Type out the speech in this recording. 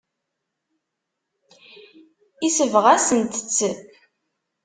Yesbeɣ-asent-tt.